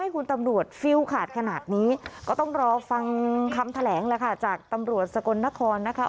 ก็ต้องรอฟังคำแถลงแล้วค่ะจากตำรวจสกลนครนะคะ